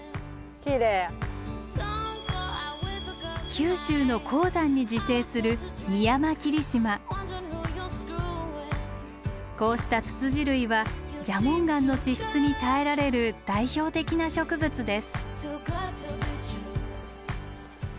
九州の高山に自生するこうしたツツジ類は蛇紋岩の地質に耐えられる代表的な植物です。